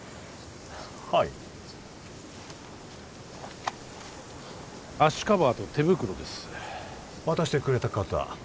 はい足カバーと手袋です渡してくれた方